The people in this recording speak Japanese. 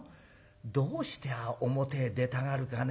どうして表へ出たがるかね。